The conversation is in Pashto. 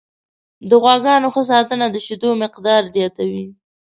د غواګانو ښه ساتنه د شیدو مقدار زیاتوي.